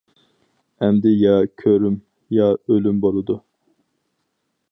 ئەمدى يا كۆرۈم، يا ئۆلۈم بولىدۇ.